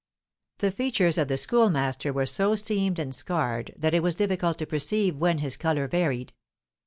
The features of the Schoolmaster were so seamed and scarred that it was difficult to perceive when his colour varied.